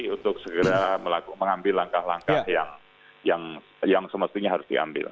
untuk segera mengambil langkah langkah yang semestinya harus diambil